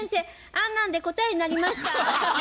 あんなんで答えになりますか？